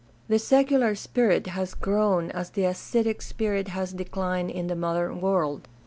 The secular spirit has grown as the ascetic spirit has declined in the modern world.